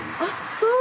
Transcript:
そう。